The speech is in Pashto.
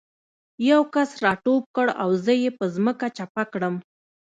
یو کس را ټوپ کړ او زه یې په ځمکه چپه کړم